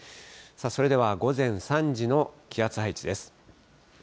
それでは午前３時の気圧配置です。